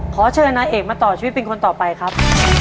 ขอเชิญนายเอกมาต่อชีวิตเป็นคนต่อไปครับ